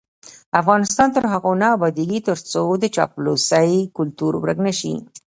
افغانستان تر هغو نه ابادیږي، ترڅو د چاپلوسۍ کلتور ورک نشي.